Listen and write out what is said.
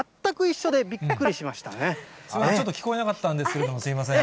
すみません、ちょっと聞こえなかったんですけれども、すみません。